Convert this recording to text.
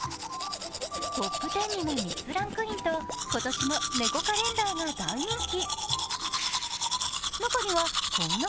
トップ１０にも３つランクインと、今年も猫カレンダーが大人気。